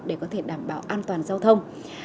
để có thể đảm bảo an toàn giao thông